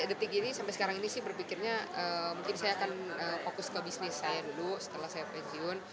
tiga detik ini sampai sekarang ini sih berpikirnya mungkin saya akan fokus ke bisnis saya dulu setelah saya pensiun